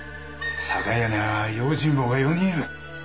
堺屋にゃ用心棒が４人いる。